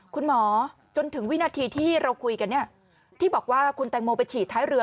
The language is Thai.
คุณหมอจนถึงวินาทีที่เราคุยกันที่บอกว่าคุณแตงโมไปฉีดท้ายเรือ